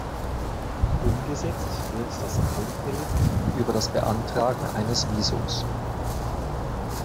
Umgesetzt wird das allfällig über das Beantragen eines Visums.